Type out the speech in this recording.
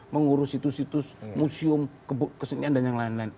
mengurus situs situs museum kesenian dan yang lain lain